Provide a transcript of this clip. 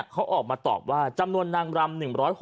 เขาออกมาตอบว่าจำนวนนางรำ